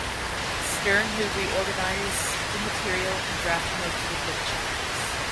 Stern who reorganized the material and drafted most of the book chapters.